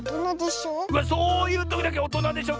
うわそういうときだけ「おとなでしょ？」